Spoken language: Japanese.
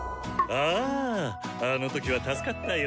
ああの時は助かったよ。